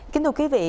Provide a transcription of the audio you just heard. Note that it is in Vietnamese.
kính thưa quý vị